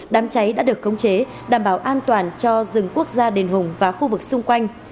đám cháy đã được khống chế đảm bảo an toàn cho rừng quốc gia đền hùng và khu vực xung quanh